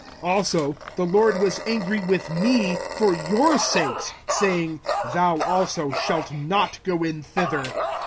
05:001:037 Also the LORD was angry with me for your sakes, saying, Thou also shalt not go in thither.